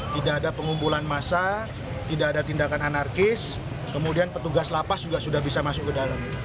tidak ada pengumpulan massa tidak ada tindakan anarkis kemudian petugas lapas juga sudah bisa masuk ke dalam